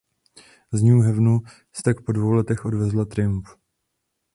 Z New Havenu si tak po dvou letech odvezla triumf.